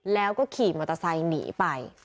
แล้วก็ขี่มอเตอร์ไซค์หนีไป